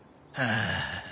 ああ。